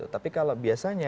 tapi kalau biasanya